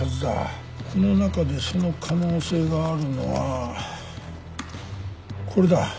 この中でその可能性があるのはこれだ。